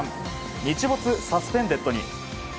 日没サスペンデッドに。